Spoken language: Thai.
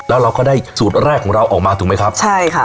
แล้วเราก็ได้สูตรแรกของเราออกมาถูกไหมครับใช่ค่ะ